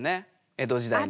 江戸時代に。